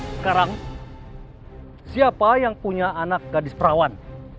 sekarang siapa yang punya anak gadis perawan